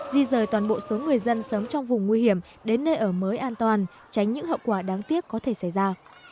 di rời toàn bộ số người dân sống trong vùng nguy hiểm đến nơi ở mới an toàn tránh những hậu quả đáng tiếc có thể xảy ra